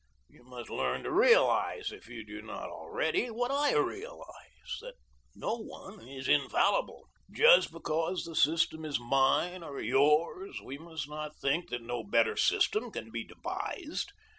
You must learn to realize, if you do not already, what I realize that no one is infallible. Just because the system is mine or yours we must not think that no better system can be devised.